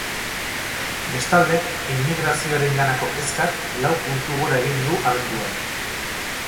Bestalde, immigrazioarenganako kezkak lau puntu gora egin du abenduan.